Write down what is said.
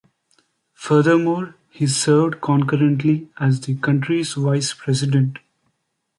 Furthermore, he served concurrently as the country's vice president.